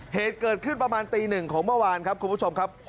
เหตุเกิดขึ้นประมาณตีหนึ่งของเมื่อวานครับคุณผู้ชมครับ